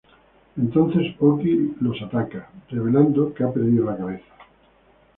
Entonces Oki los ataca, revelando que ha perdido la cabeza.